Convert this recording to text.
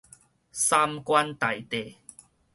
三官大帝